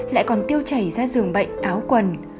lại còn tiêu chảy ra giường bệnh áo quần